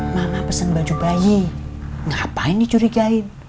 mama pesen baju bayi ngapain dicurigain